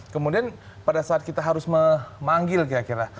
kemudian pada saat kita harus memanggil kira kira